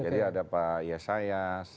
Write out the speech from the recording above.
jadi ada pak yesayas